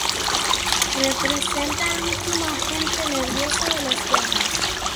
Representa al último agente nervioso de las guerras.